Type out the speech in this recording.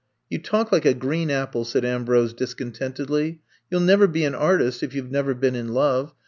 You talk like a green apple, '^ said Am brose discontentedly. You *11 never be an artist if you Ve never been in love.